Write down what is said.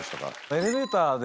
エレベーターで。